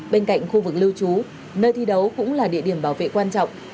bên cạnh khu vực lưu trú nơi thi đấu cũng là địa điểm bảo vệ quan trọng